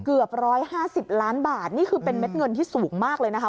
เกือบ๑๕๐ล้านบาทนี่คือเป็นเม็ดเงินที่สูงมากเลยนะคะ